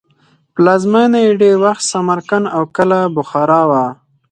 پلازمینه یې ډېر وخت سمرقند او کله بخارا وه.